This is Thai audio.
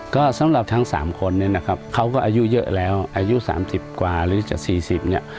ก็สำหรับทั้งสามคนเนี่ยนะครับเขาก็อายุเยอะแล้วอายุสามสิบกว่าหรือจากสี่สิบเนี่ย